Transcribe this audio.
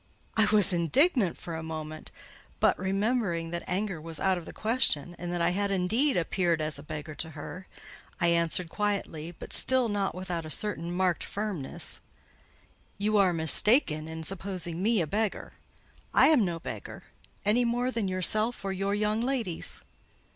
I was indignant for a moment; but remembering that anger was out of the question, and that I had indeed appeared as a beggar to her, I answered quietly, but still not without a certain marked firmness— "You are mistaken in supposing me a beggar. I am no beggar; any more than yourself or your young ladies."